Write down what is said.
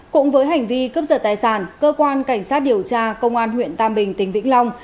cũng với hành vi cướp giật tài sản cơ quan cảnh sát điều tra công an huyện tam bình tỉnh vĩnh long